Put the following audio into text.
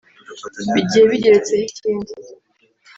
bigiye bigeretseho ikindi